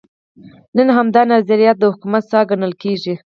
نن همدا نظریه د حکومت ساه ګڼل کېږي.